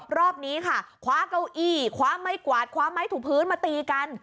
รอบนี้ค่ะคว้าเก้าอี้คว้าไม้กวาดคว้าไม้ถูกพื้นมาตีกัน